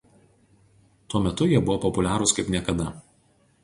Tuo metu jie buvo populiarūs kaip niekada.